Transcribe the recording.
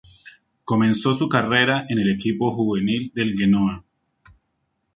Comenzó su carrera en el equipo juvenil del Genoa.